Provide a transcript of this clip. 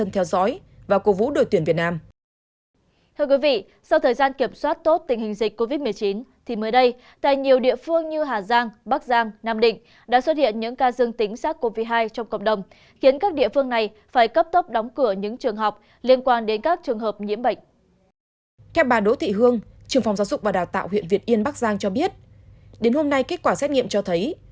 theo bà đỗ thị hương trường phòng giáo dục và đào tạo huyện việt yên bắc giang cho biết đến hôm nay kết quả xét nghiệm cho thấy